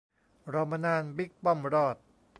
รอมานาน บิ๊กป้อมรอด !